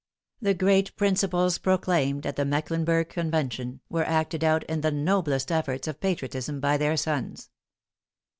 The great principles proclaimed at the Mecklenburg Convention, were acted out in the noblest efforts of patriotism by their sons.